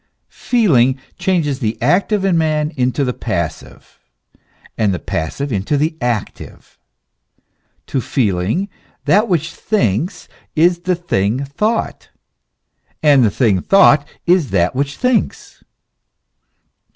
Feeling changes the active in man into the passive, and the passive into the active. To feeling, that which thinks is the thing thought, and the thing thought is that which thinks.